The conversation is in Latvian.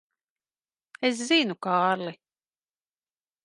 Es zinu, Kārli.